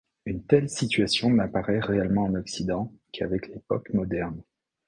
Une telle situation n'apparaît réellement en Occident qu'avec l'époque moderne.